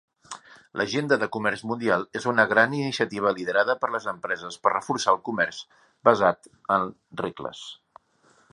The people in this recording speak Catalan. L'Agenda de Comerç Mundial és una gran iniciativa liderada per les empreses per reforçar el comerç basat en regles.